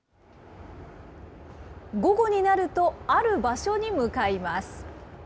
午後になると、ある場所に向かいます。